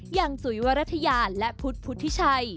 อย่างจุยวรรถยาและพุทธพุทธิชัย